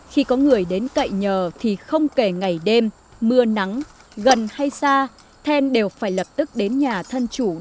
khi có người đến cậy nhờ thì không kể ngày đêm mưa nắng gần hay xa then đều phải lập tức đến nhà thân chủ để hành lễ